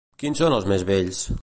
Quins són els més vells?